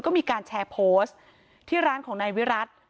ก็มีการแชร์โพสต์ที่ร้านของนายวิรัติ